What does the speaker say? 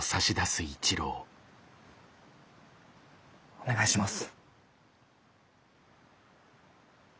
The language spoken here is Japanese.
お願いします。